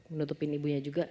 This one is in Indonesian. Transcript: menutupin ibunya juga